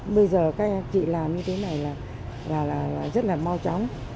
bây giờ các em chị làm như thế này là rất là mau chóng